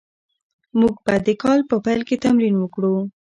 موږ به د کال په پیل کې تمرین وکړو.